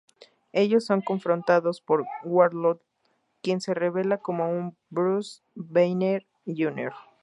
Ellos son confrontados por Warlord, quien se revela como un Bruce Banner Jr.